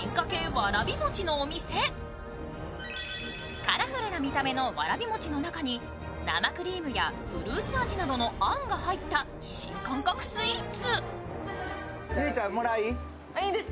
わらび餅のお店カラフルな見た目のわらび餅の中に生クリームやフルーツ味などのあんが入った新感覚スイーツ。